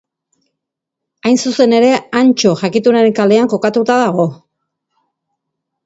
Hain zuzen ere, Antso Jakitunaren kalean kokatua dago.